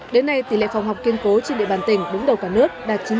đến nay tỷ lệ phòng học kiên cố trên địa bàn tỉnh đúng đầu cả nước